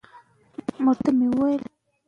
آیا ژان والژان په پای کې مړ شو؟